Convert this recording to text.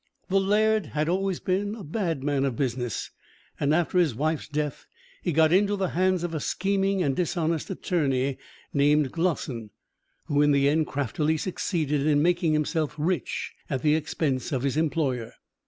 The laird had been always a bad man of business, and after his wife's death he got into the hands of a scheming and dishonest attorney named Glossin, who in the end craftily succeeded in making himself rich at the expense of his employer.